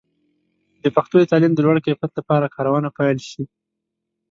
د پښتو د تعلیم د لوړ کیفیت لپاره کارونه پیل شي.